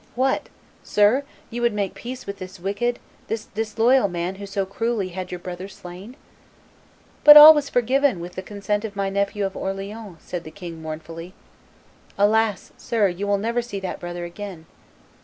"What! sir; you would make peace with this wicked, this disloyal man who so cruelly had your brother slain?" "But all was forgiven him with the consent of my nephew of Orleans," said the king mournfully. "Alas! sir, you will never see that brother again."